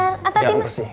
ya aku kesini